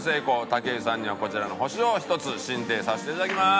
武井さんにはこちらの星を１つ進呈させていただきます。